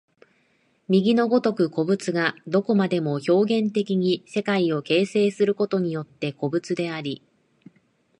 右の如く個物がどこまでも表現的に世界を形成することによって個物であり、